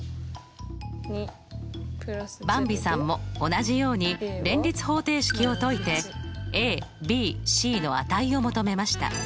ばんびさんも同じように連立方程式を解いてｂｃの値を求めました。